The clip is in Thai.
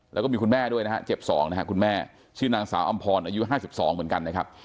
แล้วก็มีคุณแม่ด้วยนะฮะเจ็บ๒นะฮะคุณแม่ชื่อนางสาวอำพรอายุ๕๒เหมือนกันนะครับ